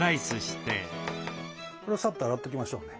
これはサッと洗っときましょうね。